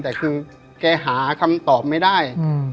แต่คือแกหาคำตอบไม่ได้